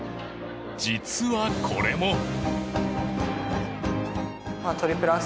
実は、これも。